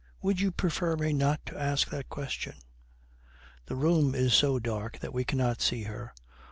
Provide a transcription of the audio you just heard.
Would you prefer me not to ask that question?' The room is so dark that we cannot see her.